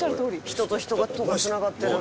「人と人とがつながってる」